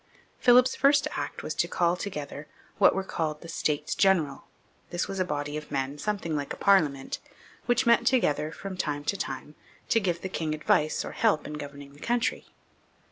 Philip's first act was to call together what were called the States General. This was a body of men, something like our Parliament, which met together from time to time to give the king advice or help in governing the country.